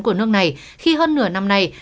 của nước này khi hơn nửa năm nay